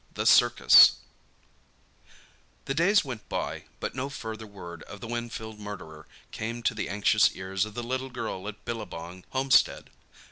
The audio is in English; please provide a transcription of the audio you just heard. THE CIRCUS The days went by, but no further word of the Winfield murderer came to the anxious ears of the little girl at Billabong homestead.